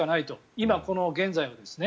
今現在はですね。